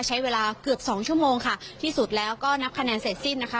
ใช้เวลาเกือบสองชั่วโมงค่ะที่สุดแล้วก็นับคะแนนเสร็จสิ้นนะคะ